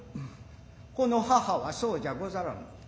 此の母はそうじゃござらぬ。